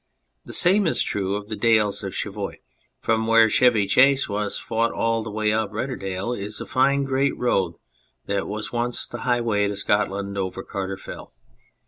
The same is true of the dales of Cheviot. From where Chevy Chase was fought all the way up Rededale is a fine great road that was once the highway to Scot land over Carter Fell.